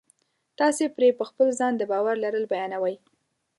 تاسې پرې په خپل ځان د باور لرل بیانوئ